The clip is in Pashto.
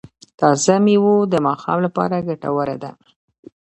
تازه میوه د ماشوم لپاره ګټوره ده۔